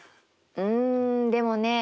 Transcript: うんでもね